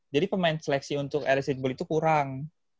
jadi pemain seleksi untuk lsu itu kurang